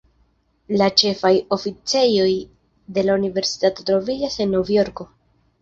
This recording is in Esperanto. La ĉefaj oficejoj de la universitato troviĝas en Nov-Jorko.